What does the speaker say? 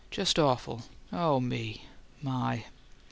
"Just awful. Oh, me, my!"